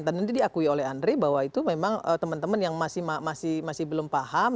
nanti diakui oleh andre bahwa itu memang teman teman yang masih belum paham